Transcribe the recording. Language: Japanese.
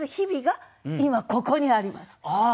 ああ！